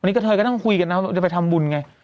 วันนี้ก็เธอก็ต้องคุยกันนะจะไปทำบุญไง